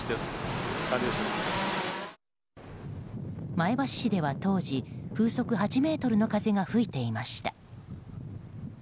前橋市では当時風速８メートルの風が吹いていました。